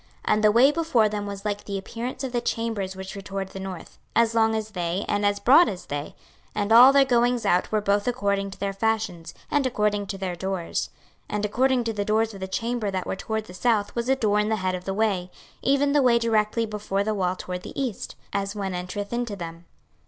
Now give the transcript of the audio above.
26:042:011 And the way before them was like the appearance of the chambers which were toward the north, as long as they, and as broad as they: and all their goings out were both according to their fashions, and according to their doors. 26:042:012 And according to the doors of the chambers that were toward the south was a door in the head of the way, even the way directly before the wall toward the east, as one entereth into them.